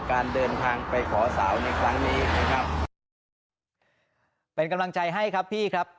การเดินทางไปขอสาวในครั้งนี้นะครับเป็นกำลังใจให้ครับพี่ครับ